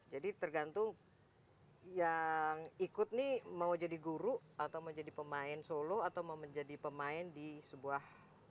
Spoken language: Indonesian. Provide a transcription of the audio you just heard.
jadi tergantung yang ikut nih mau jadi guru atau mau jadi pemain solo atau mau menjadi pemain di sebuah